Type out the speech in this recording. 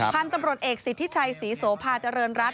พันธุ์ตำรวจเอกสิทธิชัยศรีโสภาเจริญรัฐ